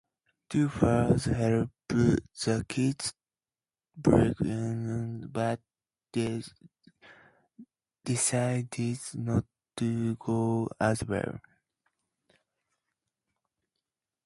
Dopler helps the kids break in but decides not to go as well.